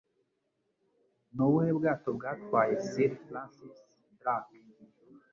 Nubuhe bwato bwatwaye Sir Francis Drake